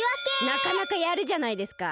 なかなかやるじゃないですか。